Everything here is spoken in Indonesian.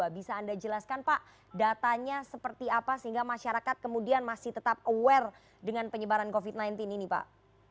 bisa anda jelaskan pak datanya seperti apa sehingga masyarakat kemudian masih tetap aware dengan penyebaran covid sembilan belas ini pak